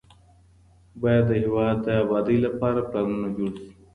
باید د هیواد د ابادۍ لپاره پلانونه جوړ سي.